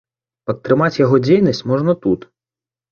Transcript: Падтрымаць яго дзейнасць можна тут.